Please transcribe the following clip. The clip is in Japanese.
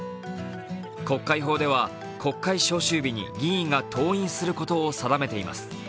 国会法では国会召集日に議員が登院することを定めています。